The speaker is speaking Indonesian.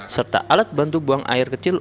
serta alat bantu buang air kecil